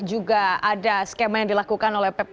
juga ada skema yang dilakukan oleh